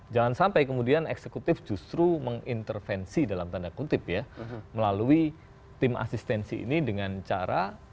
jangan sampai kemudian eksekutif justru mengintervensi dalam tanda kutip ya melalui tim asistensi ini dengan cara